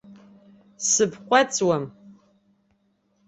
Сыбҟәаҵуам!